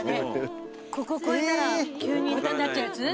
ここ越えたら急に豚になっちゃうやつ。